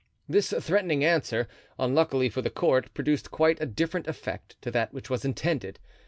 This threatening answer, unluckily for the court, produced quite a different effect to that which was intended.